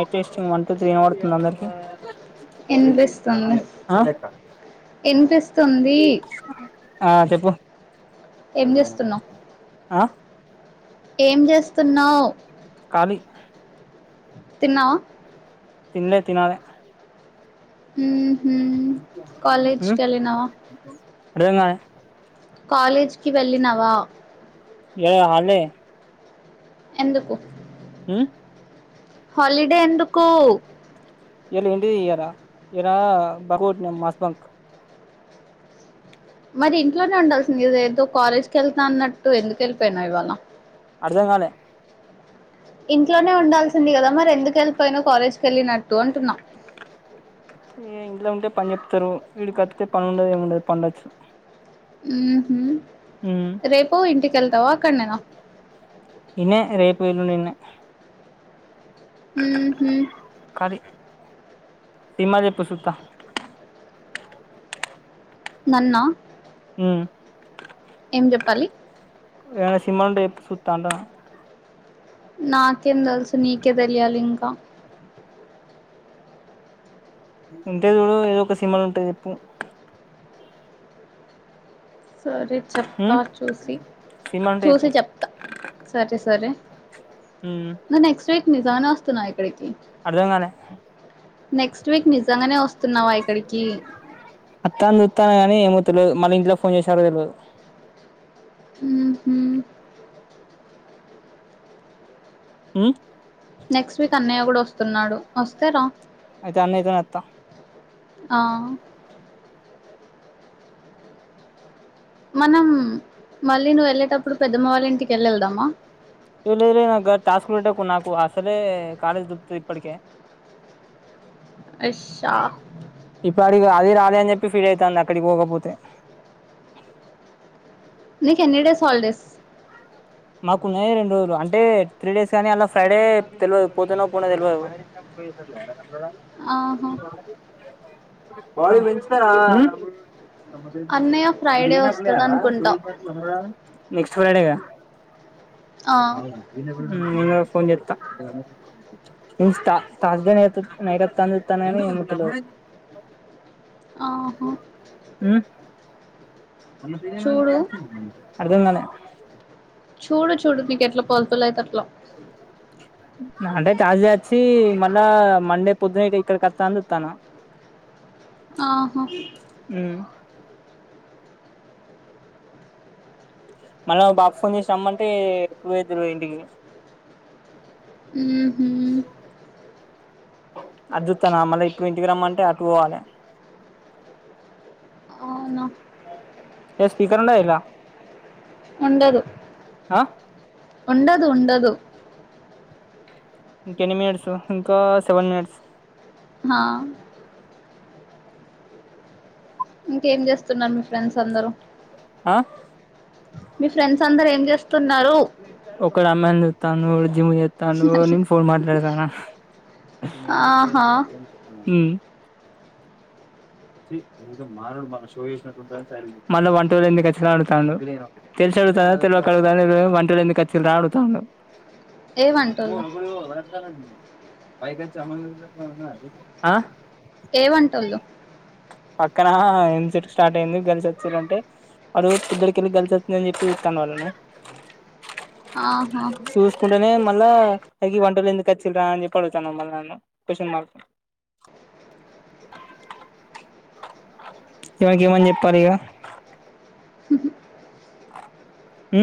Mic testing one two three వినపడుతుందా అందరికి వినిపిస్తుంది ఆ వినిపిస్తుంది ఆ చెప్పు వా ఏం ఏదైనా చేస్తున్నావు ఆ ఏం చేస్తున్నావు కాలీ తిన్నావా తినాలే తినాలి కాలేజీకి వెళ్ళినవా అర్థంకాలే కాలేజీకి వెళ్ళినవా ఇవాళ హాలిడే ఎందుకు ఆ హాలిడే ఎందుకు ఇల్ ఎంటో ఇవాళ ఇవాళా బంక్ కొట్టిన మాస్ బంక్ మరి ఇంట్లోనే ఉండాల్సింది ఏదో కాలేజీకి వెళుతున్నట్టు ఎందుకు వెళ్ళిపోయినావు ఇవాళ అర్థంకాలే ఇంట్లోనే ఉండాల్సింది కదా మరి ఎందుకు వెళ్ళిపోయినావు కాలేజీకి వెళ్ళినట్టు అంటున్న ఏ ఇంట్లో ఉంటే పని చెప్తారు ఈడకొస్తే పని ఉండదు ఏమిండదు పండొచ్చు ఇహో ఉమ్ రేపు ఇంటికి ళతావా అక్కడనేనా ఇన్న రేపు ఎల్లుడి ఇన్నే హ హ సినిమా చెప్పు చూస్తా నన్నా అ ఏం చెప్పాలి యాదై సినిమా ఉంటే చెప్పు సూత్తంట నాకేం తెలుసు నీకే తెలియాలి ఇంకా ఉంటే చూడు ఏదో ఒక సినిమా వుంటే చెప్పు సరే చెప్తా ఉమ్ చూసి సినిమాలు ఉంటే చూసి చెప్పు చెప్తా ఉమ్ ఇంగ నెక్స్ట్ వీక్ నిజగనే వస్తునావా ఇక్కడికి అర్ధంగాలే నెక్స్ట్ వీక్ నిజంగానే వస్ అత్తానీ చూత్తాన గానీ ఏమో తె తెలీదు మనింట్లో ఫోన్ చేసారో లేదో హు హు ఉ నెక్స్ట్ వీక్ అన్నయ్య కూడా వస్తున్నాడు వస్తే రా అయితె అన్నయితోనే వత్త ఆ మనం మళ్ళీ నువ్వు వెళ్ళేటప్పుడు పెద్దమ్మ వాళ్ ఇంటికి ఎల్లి ఎళ్దామా ఏ లే లే నాగాద్ టాస్కు పెట్టకు నాకు అసలే కాలేజ్ దొబ్బుతది ఇప్పటికె అషాక్ ఇగ అది రాలే అని చెప్పి ఫీల్ అయితాంది అక్కడికి పోకపోతే నీకెన్ని డేస్ హాలిడేస్ మాకున్నయే రెండు రోజులు అంటే త్రీ డేస్ కానీ అలా ఫ్రైడే తెల్వదు పోతనో పోనో తెల్వదు. ఆహా అ బ మంచిిన అన్నయ్య ఫ్రైడే ఇనా వస్తాడు ప్లేయార అనుకుంటా నెక్స్ట్ ఫ్రైడేగా ఆ, అవునా నేనెబ్బుడ్ రా నేను అవ్ ఫోన్ చేత్తా. చూస్త పాజిబుల్ అయితె నైట్ వత్తాని చూత్తాన కాని ఏమో తెలియదు ఆహా ఉ చూడు అర్ధంకాల చూడు చూడు నీకెట్ల పాసిబల్ అయితె అట్లా అంటే తాజ అచ్చి మళ్ళా మండే పొద్దున అయితె ఇక్కడికి అత్త అని చూత్తాన్న. ఆహ మళ్ళ బావ్ ఫోన్ చేసి రమ్మంటే పోయోత్తిమి ఇంటికి ఉహు అద్ జుతాన్నా మళ్ళా ఇప్పుడు ఇంటికి రమ్మంటే అటు పోవాలి. అవునా ఏ స్పీకర్ ఉండ ఇలా ఉండదు ఉండదు ఉండదు ఇంక ఎన్ని మినిట్స్ ఇంకా సెవెన్ మినిట్స్ హ ఇంకేం చేస్తున్నారు మీ ఫ్రెండ్స్ అందరూ ఆ మీ ఫ్రెండ్స్ అందరు ఏం చేస్తారు ఒక రామాయ ఎత్తను జిమ్ ఎత్తాను నిం ఫోన్ మాట్లాడదనా నేను ఆహా ప మ వ ఎఖచ్చి తె అతా తెలిగు ఎందు కచ్చ రాడుతాను పో ఏవంటోళ్ళు ఇబడు వంద పైకా చమ ఏమంట వాళ్ళు పక్కన ఎం చెట్ స్టార్ట్ అయింది కలిసి వచ్చారంటే వాడు పిద్డికిళ్ళి కలిసి వచ్చిందని చెప్పి చూస్తాను వాళ్ళని ఆహా చూసుకుంటేనే మ అ వంటలు ఎందుకు వచ్చి రా అని చెప్పాడు వచ్చాను మ న క్వన్ మార్క్ ఇవాకి ఏమని చెప్పారు ఇక ఆ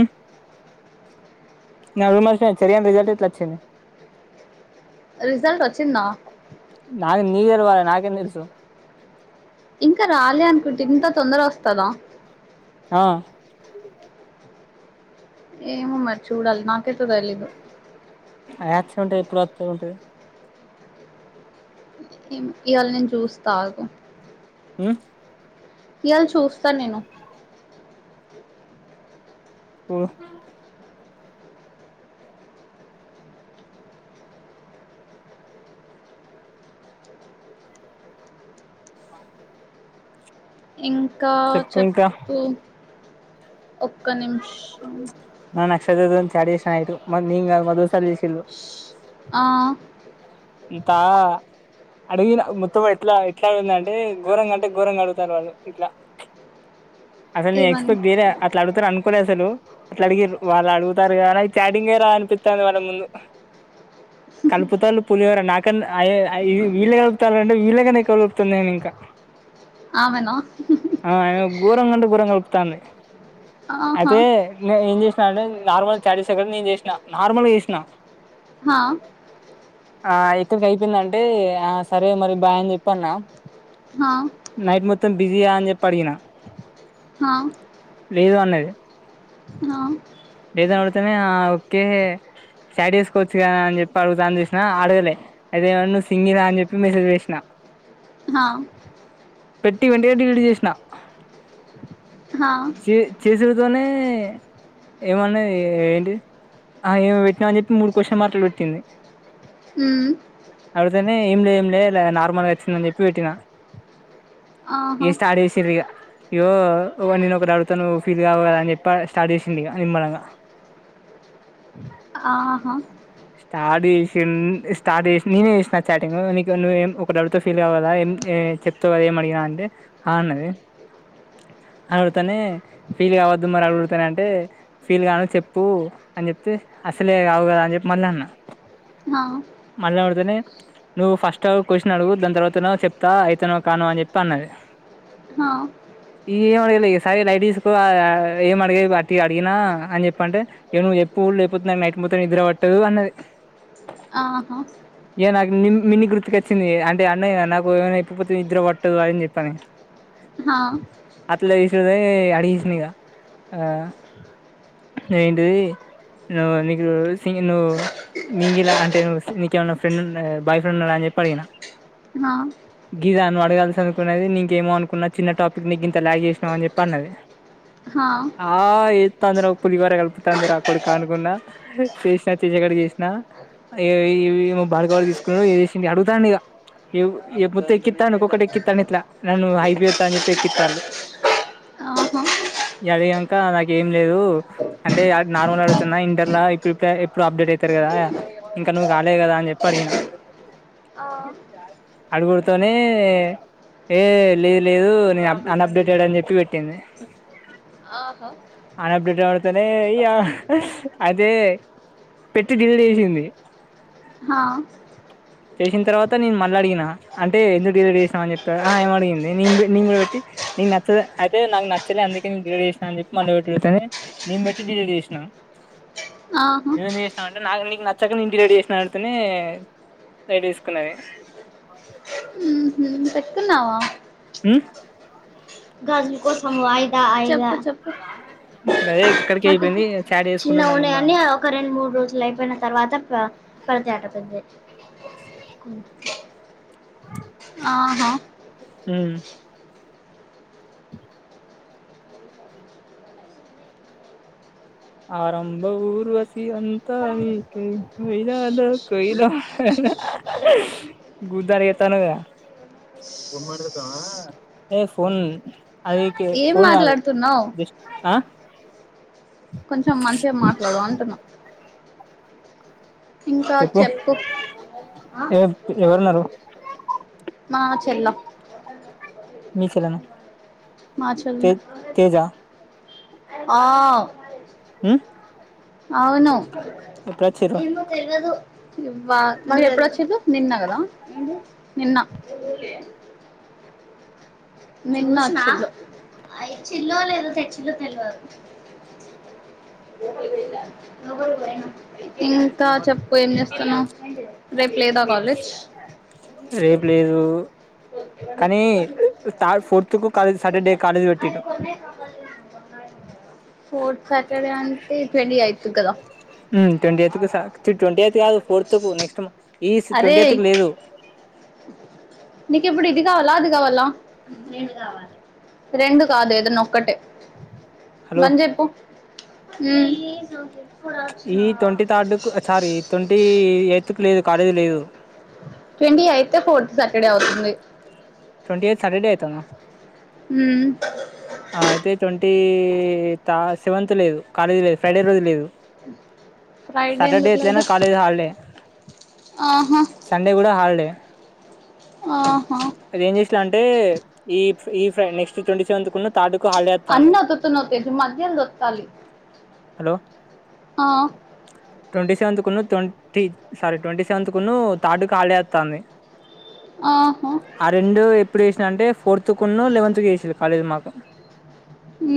నా రూమా స చరియా రిజల్ ఎట్లాచ్చ రిజల్ట్ వచ్చిందా నా నీర్ర్వాల నాకెన్న ఇర్సు ఇంకా రాలే అనుకుంటే ఇంత తొందర వస్తుంది తల ఆ ఏము మరి చూడాలి నాకేతే తెలియదు ఆయా చె ఉంటయి పూరాచ్చ ఉంట ఇ అళని జూస్ తాగు ఆ ఇవాళ చూస్తాను నేను పోఓ ఇక్క చెప్పు ఒక్క నిమిషం కషాడ చేసాయితే మంగ్ మొదసారి తీసిల్లు ఆ ఇంతా అడిగిన మొత్తం ఎట్లా ఎట్లా అడుగుంద అంటే ఘోరంగా అంటే ఘోరంగా అడుగుతారు వాళ్ళు ఇట్లా అసలు న ఏమని ఎక్స్రేట్యర అలాడుగుతా అను లే అసలు అట్లా అడిగి వాళ్ళు అడుగుతారు కానీ చాటింగ్ రా అనిపిస్తుంది వాళ్ళ ముందు కలుపుత పులివర నాకన్నా వీళ్ళ కలుపుతారుంటడి వీళ్ళగానే కలుపుతుా నేను ఇంకా ఆమెనా ఆ గుోరం కంట గూరంగా తమ ఆహా అదే ఏం చే మేడం నార్మల్ చాట్ చెస్ నేను చేసినా నార్మల్గా చేసినా హా ఆ ఇక్కడికి అయిపోయిందంటే ఆ సరే మరి బాయ్ చేపి అని అన్న హా బిజీ ఆహ్ అని చేపి అడిగిన హా ఏదన్న అడితేనే ఆహ్ ఓకే సాడీ చేసుకోవచ్చు కదా అని చెప్పి అడుగుతాంది అడగలే అదే ఏమన్నా నువు సింగిల్ అని చెప్పి మెసేజ్ వేసిన హా పెట్టి వెంటనే డిలీట్ చేసిన హ హ చే చే సే తోనే ఏమన్నా ఏంటిది ఆ ఏమి పెట్టినవు అని మూడు క్వశ్చన్ మార్కులు పెట్టింది హ్మ్ అడితేనే ఏం లే ఏం లే నార్మల్గా వచ్చిందని చెప్పి పెట్టినా ఆహ ఇగ స్టార్ట్ చేసింది ఇగ యో నేను ఒకటి అడుగుతాను ఫీల్ కావు అని చెప్పి స్టార్ట్ చేసింది ఇగ నిమ్మలంగా ఆహా స్టార్ట్ చేసిన్ స్టార్ట్ చేసి నేనే చేసిన చాటింగ్ లో నీకు నువ్వు ఏం ఒకటి అడుగుతా ఫీల్ కావవు కదా చెప్తవు కదా ఏం అడిగిన అంటే అ అన్నది అని అడుగుతానే ఫీల్ కావద్దు మరి అడుగుడుతనే అంటే ఫీల్ కాను చెప్పు అని చెప్తే అసలే కావు కదా అని చె మల్లన్న ఆ అండ్లపడ్తానే నువ్వు ఫస్ట్ క్వశ్చన్ అడుగు దాని తర్వాత చెప్తా అయితానో కానో అని చెప్పి అన్నది హ ఏం అడగలే ఇగ సరే లైట్ తీస్కో ఏం అడిగా అట్ అడిగినా అని చెప్ప అంటే నువ్వు చెప్పు లేకపోతున్నా నైకి మొత్తం నిద్ర పట్ టు అన్నది ఆహా ఇగ నాకు నుం మిన్నీ గుర్తుకొచ్చింది అంటే అన్నయ నాకు ఏమైనా చెప్పక పోతే నిద్ర పట్టదు అని చేపని హ హ అట్లే చేసే అడిగెసిన ఇగ ఏంటిది నువు నీకు సి నువ్వు మింగిలా అంటే నువు నీకేమన్న ఫ్రెండ్ వున బాయ్ ఫ్రెండ్ ఉన్నాడా అని అడిగిన గిదా నువు అడగాల్సి అనుకున్నది నీంకేమో అనుకున్నా చిన్న టాపిక్ నీ ఇంత చేసినావు అని చెప్పి అన్నది హ ఆ ఏ తందర ఒక పులిహోర కలుపుతంది కొడకా అనుకున్న చేసినా చేసేకడికి చేసినా ఏ బల్గడ తీసుకున్నాడు అడుగుతాంది ఇగ మొత్తం ఎక్కిస్తాను ఒక్కొక్కటి ఎక్కితాంది ఇట్లా నన్ను హైప్ ఎక్కితాంది ఆహ అదికాక నాక ఏం లేదు అంటే నార్మల్ అడుగుతున్నా ఇంటర్ల ఇప్పుడు అప్డేట్ అవుతారు కదా ఇంకా నువ్వు కాలేదు కదా అని చెప్పి అడిగిన ఆ అడుగుడుతోనే ఏ లేదు లేదు నేను అన్అప్డేటెడ్ అని చెప్పి పెట్టింది ఆహ అన్అప్డేటెడ్ అడిగితేనే ఇగ అయితే పెట్టి డిలీట్ చేసింది హా చేసిన తర్వాత నేను మళ్ళ అడిగిన అంటే ఎందుకు డిలీట్ చేసినావు అని చెప్పి ఆ ఏమ అడిగింది నీ నీ కూడా పెట్టి నీకు నచ్చదు అయితే నాకు నచ్చలేదు అందుకే నచ్చలే అందుకే డిలీట్ చేసిన అని చెప్పి మళ్ళీ పెట్టి పెతే నేను పెట్టి డిలీట్ చేసినా ఆహ నువు ఎందుకు చేసినవ్ అంటే నాకు నీకు నచ్చక నేను డిలీట్ చేసిన అడిగితేనే లైట్ తీసుకున్నది తిన్నావా హ్మ్ చెప్పు చెప్పు గదే ఇక్కడికి అ అయిపోయింది చాట్ చెప్పు చేసుకుంటున్నా నిమ్మలంగా పరచాట పేద్దయ్ ఆ ఆహా హ్మ్ ఆరంభ ఊర్వసి అంతా నీకె [inaudible] చేతనావ్ కదా ఏ ఫోన్ అదికె ఏం ఫోన్ కాదు మాట్లాడుతున్నావ్ జస్ట్ ఆహ్ కొంచెం మంచిగా మాట్లాడు అంటున్నా చెప్పు ఎవరున్నారు మా చెల్ల మీచను మాచల్ ఆ అ అవును మ ఎ నిన్న కదా నిన్న నిన్న చ్చలో లేదా తెచ్చిలో తెలియదు ఇంకా చెప్పు ఏం చేస్తుాన్నా రేపు లేదా కాలేజ్ రేపు లేదు ఫర్తుాలజ్ సాటర్డే కాలేజ్ పెట్టి ఫోర్త్ సాటర్డే అంటే ట్వంటీ యితు కదా ట్వంటీ ఎయి ట్వంటీ ఎయిత్ కాదు ఫోర్త్ నెక్స్ట్ ఈ అరే ట్వంటీ ఎత్ కి లేదు నీక ఇప్పుడు ఇది కావాలా అది కావాల రెండు కాదు ఏదన్నా ఒక్కటే హలో బంద చెప్పు హమ్ ఈ ట్వంటీ థర్డ్ క సారీ ట్వంటీ ఎయిత్ క లేదు కాలేజీ లేదు ట్వంటీ ఎయితే ఫోర్త్ సాటర్డే అవుతుంది ట్వంటీ ఎయిట్ సటర్డే ఎయినా హ ఆ అయితే ట్వంటీ సెవెంత్ లేదు కాలేజీ లేదు ఫ్రైడే రోజు లేదు ఫ్రైడే సటర్డే ఎందుకు ఎలేన లేదు కాలజ హల్డే ఆహా సండే కూడా హల్డే ఆహా అది ఏం చేసలా అంటే ఈ ఈ ఫ్రై నెస్ట్ ట్వంటీకున్నా తాడు అన్నన్న తత్తనవతే మధ్య దొత్తాల హలో ట్వంటీ సెవెంత్ కును ట్వంటీ సారీ ట్వంటీ సెవె్ కును థర్డ్ ఖాళీ వస్తుంది ఆహా ఆ రెం ఇప్పుడు చేసినాంటే ఫోర్త్ కు లెవెత్ చేసే కాలేజ్ మాకు అ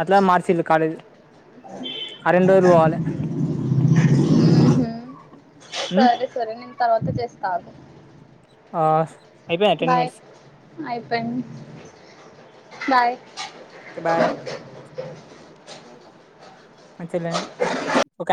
అదిలా మార్చ కాలేజ్ అరండ రూవాల ఉహు సరే సర నిన్ తర్వాత చేస్తస్తా ఆ అయిపోయా టెన్ మినిట్స్ అయిప బయ్ క బయ మ చెలనే ఒక